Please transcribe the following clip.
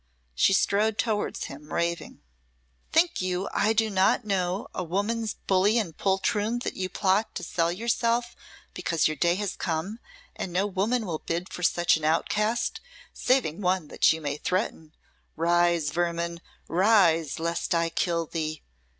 She strode towards him, raving. "Think you I do not know, woman's bully and poltroon, that you plot to sell yourself, because your day has come, and no woman will bid for such an outcast, saving one that you may threaten. Rise, vermin rise, lest I kill thee!"